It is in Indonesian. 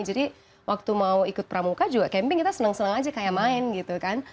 jadi waktu mau ikut pramuka juga camping kita seneng seneng aja kayak main gitu kan